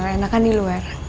enakan di luar